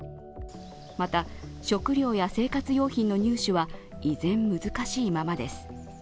また、食料や生活用品の入手は依然難しいままです。